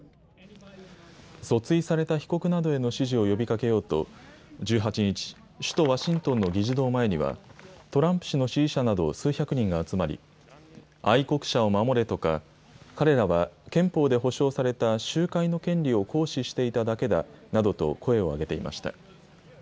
訴追された被告などへの支持を呼びかけようと、１８日、首都ワシントンの議事堂前には、トランプ氏の支持者など数百人が集まり、愛国者を守れとか、彼らは憲法で保障された集会の権利を行使していただけだなどと、声を上げていました。